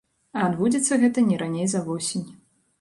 А адбудзецца гэта не раней за восень.